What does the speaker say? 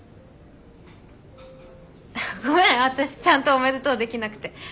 私ちゃんと「おめでとう」できなくて。